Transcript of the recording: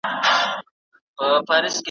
د ايمل بابا دغرونو ,